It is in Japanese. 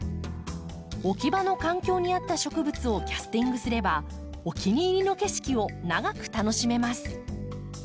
置き場の環境に合った植物をキャスティングすればお気に入りの景色を長く楽しめます。